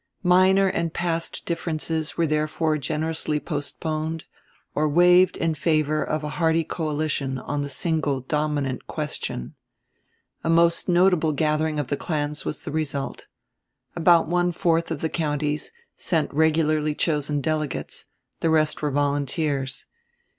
Minor and past differences were therefore generously postponed or waived in favor of a hearty coalition on the single dominant question. A most notable gathering of the clans was the result. About one fourth of the counties sent regularly chosen delegates; the rest were volunteers.